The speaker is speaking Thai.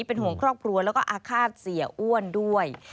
เป็นห่วงครอบครัวแล้วก็อาฆาตเสียอ้วนด้วย